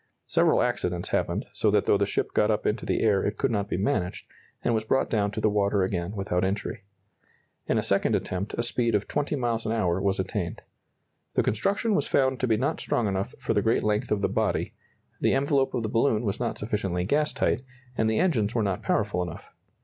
Several accidents happened, so that though the ship got up into the air it could not be managed, and was brought down to the water again without injury. In a second attempt a speed of 20 miles an hour was attained. The construction was found to be not strong enough for the great length of the body, the envelope of the balloon was not sufficiently gas tight, and the engines were not powerful enough.